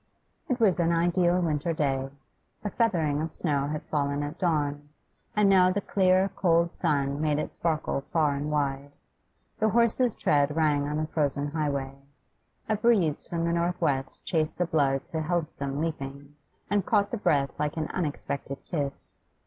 It was an ideal winter day. A feathering of snow had fallen at dawn, and now the clear, cold sun made it sparkle far and wide. The horse's tread rang on the frozen highway. A breeze from the north west chased the blood to healthsome leaping, and caught the breath like an unexpected kiss.